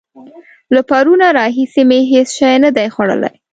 له پرونه راهسې مې هېڅ شی نه دي خوړلي.